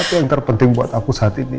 itu yang terpenting buat aku saat ini